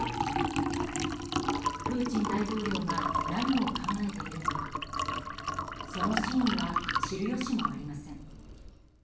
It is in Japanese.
プーチン大統領が何を考えているのかその真意は知る由もありません。